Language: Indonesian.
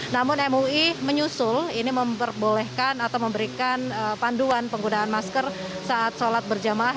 namun mui menyusul ini memperbolehkan atau memberikan panduan penggunaan masker saat sholat berjamaah